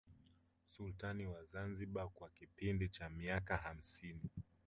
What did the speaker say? Sultani wa Zanzibar kwa kipindi cha miaka hamsini